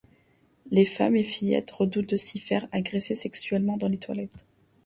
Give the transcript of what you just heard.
Les femmes et fillettes redoutent de s'y faire agresser sexuellement dans les toilettes.